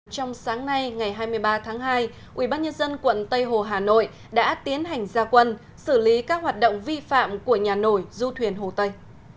trong sáng nay ngày hai mươi ba tháng hai ubnd quận tây hồ hà nội đã tiến hành gia quân xử lý các hoạt động vi phạm của nhà nổi du thuyền hồ tây